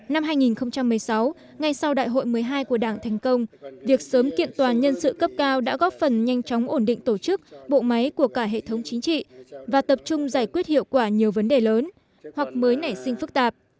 năm hai nghìn một mươi sáu ngay sau đại hội một mươi hai của đảng thành công việc sớm kiện toàn nhân sự cấp cao đã góp phần nhanh chóng ổn định tổ chức bộ máy của cả hệ thống chính trị và tập trung giải quyết hiệu quả nhiều vấn đề lớn hoặc mới nảy sinh phức tạp